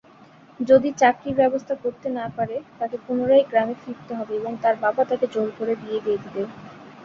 যদি চাকরির ব্যবস্থা করতে না পারে তাকে পুনরায় গ্রামে ফিরতে হবে এবং তার বাবা তাকে জোর করে বিয়ে দিয়ে দিবে।